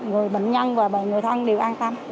người bệnh nhân và người thân đều an tâm